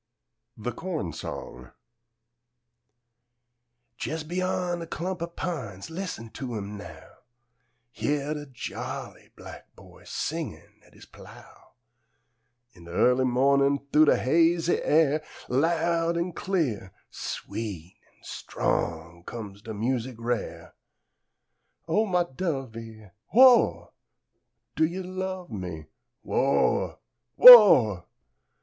THE CORN SONG Jes' beyan a clump o' pines, Lis'n to 'im now! Hyah de jolly black boy, Singin', at his plow! In de early mornin', Thoo de hazy air, Loud an' clear, sweet an' strong Comes de music rare: "O mah dovee, Who ah! Do you love me? Who ah! Who ah!"